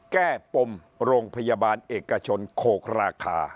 แก้ปมโรงพยาบาลเอกชนโขกราคา